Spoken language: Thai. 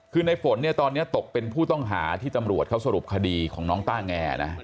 คือในฝนเนี่ยตอนนี้ตกเป็นผู้ต้องหาที่ตำรวจเขาสรุปคดีของน้องต้าแงนะ